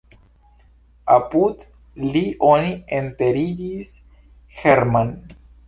Apud li oni enterigis Herrmann.